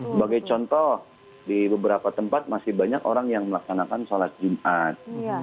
sebagai contoh di beberapa tempat masih banyak orang yang melaksanakan sholat jumat